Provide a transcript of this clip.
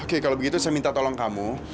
oke kalau begitu saya minta tolong kamu